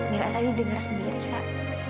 mila tadi dengar sendiri kak